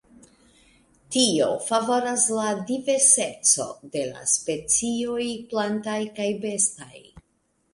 Tio favoras la diverseco de la specioj plantaj kaj bestaj.